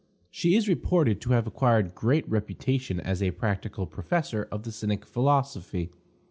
She is reported to have acquired great reputation as a practical professor of the cynic philosophy.